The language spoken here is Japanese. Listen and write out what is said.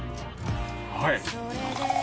はい！